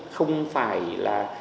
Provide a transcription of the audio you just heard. không phải là